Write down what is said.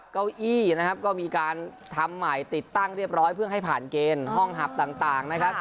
เก้าอี้นะครับก็มีการทำใหม่ติดตั้งเรียบร้อยเพื่อให้ผ่านเกณฑ์ห้องหับต่างนะครับ